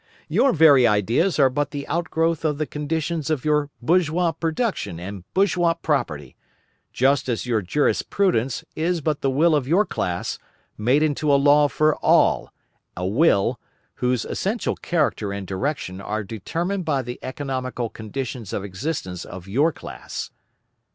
Your very ideas are but the outgrowth of the conditions of your bourgeois production and bourgeois property, just as your jurisprudence is but the will of your class made into a law for all, a will, whose essential character and direction are determined by the economical conditions of existence of your class.